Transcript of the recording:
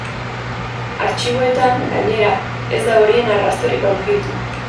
Artxiboetan, gainera, ez da horien arrastorik aurkitu.